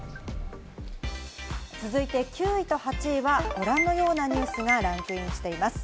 続いて９位と８位はご覧のようなニュースがランクインしています。